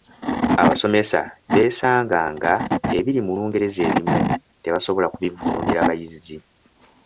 Abasomesa beesanga nga ebiri mu Lungereza ebimu tebasobola kubivvuunulira bayizi.